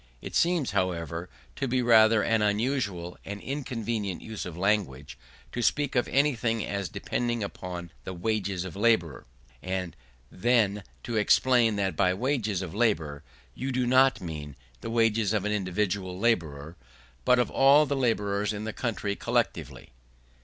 It seems, however, to be rather an unusual and inconvenient use of language to speak of anything as depending upon the wages of labour, and then to explain that by wages of labour you do not mean the wages of an individual labourer, but of all the labourers in the country collectively.